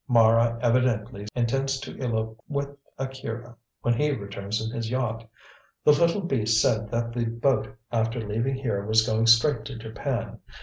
Mara evidently intends to elope with Akira when he returns in his yacht. The little beast said that the boat after leaving here was going straight to Japan.